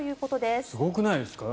すごくないですか？